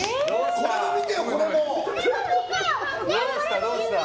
これも見てよ！